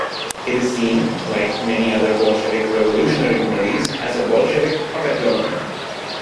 It is seen, like many other Bolshevik revolutionary committees, as a Bolshevik puppet government.